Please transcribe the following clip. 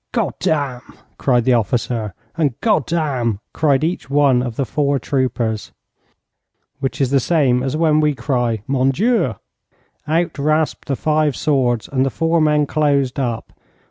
'Godam!' cried the officer, and 'Godam!' cried each of the four troopers, which is the same as with us when we cry 'Mon Dieu!' Out rasped the five swords, and the four men closed up.